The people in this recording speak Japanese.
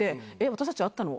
私たち会ったの？